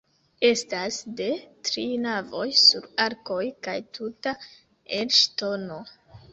Estas de tri navoj sur arkoj kaj tuta el ŝtono.